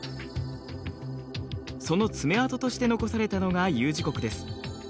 その爪痕として残されたのがＵ字谷です。